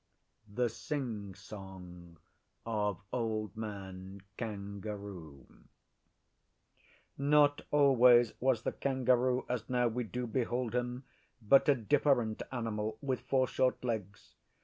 THE SING SONG OF OLD MAN KANGAROO NOT always was the Kangaroo as now we do behold him, but a Different Animal with four short legs.